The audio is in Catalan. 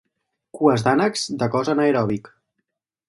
Cues d'ànecs de cos anaeròbic.